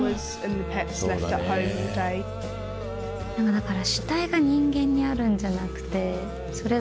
だから。